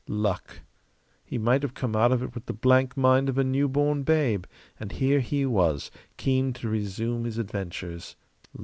Luck. He might have come out of it with the blank mind of a newborn babe; and here he was, keen to resume his adventures.